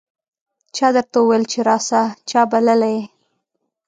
چا درته وویل چې راسه ؟ چا بللی یې